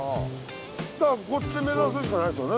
だからこっち目指すしかないですよね。